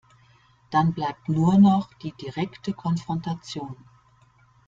Dann bleibt nur noch die direkte Konfrontation.